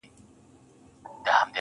ما په لومړي ځل بعاوت سره لټې کړې ده,